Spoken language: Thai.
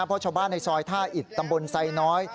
เพราะชาวบ้านในซอยท่าอิดตำบลไซน้อย